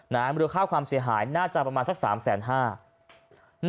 มูลค่าความเสียหายน่าจะประมาณสัก๓๕๐๐บาท